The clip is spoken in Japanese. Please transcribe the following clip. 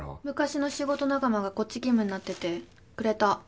昔の仕事仲間がこっち勤務になっててくれた。